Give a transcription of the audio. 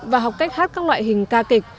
và học cách hát các loại hình ca kịch